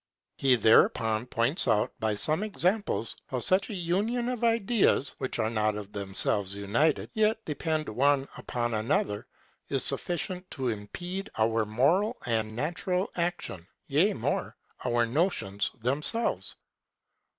He thereupon points out by some examples how such a union of ideas, which are not of themselves united, yet depend one upon another, is sufficient to impede our moral and natural action, yea more, our notions themselves.